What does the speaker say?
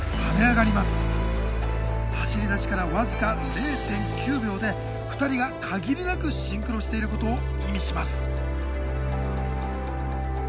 走りだしから僅か０．９秒で２人が限りなくシンクロしていることを意味します。